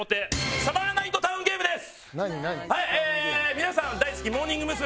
皆さん大好きモーニング娘。